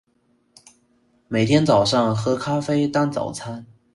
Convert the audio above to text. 明天早上喝咖啡当早餐